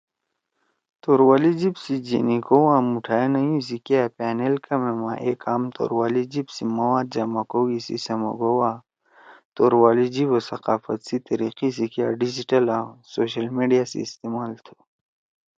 توروالی جیِب سی جینی کؤ آں مُوٹھائے نیُو سی کیا پأنیل کما می اے کام توروالی جیِب سی مواد جمع کؤ، ایِسی سمَگؤ آں توروالی جیِب او ثقافت سی تیِریِقی سی کیا ڈیجیٹل آں سوشل میڈیا سی استعمال تُھو۔